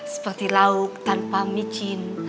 seperti lauk tanpa micin